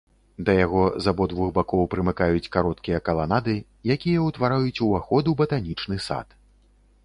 Да яго з абодвух бакоў прымыкаюць кароткія каланады, якія ўтвараюць ўваход у батанічны сад.